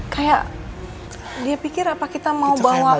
kayak dia pikir apa kita mau bawa